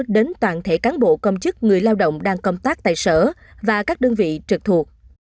đến toàn thể cán bộ công chức người lao động đang công tác tại sở và các đơn vị trực thuộc